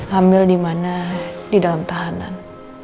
hamil di mana di dalam tahanan